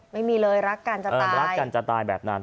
ไม่มีเลยรักกันจะตาย